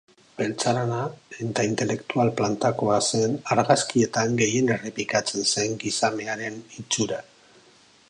Beltzarana eta intelektual plantakoa zen argazkietan gehien errepikatzen zen gizasemearen itxura.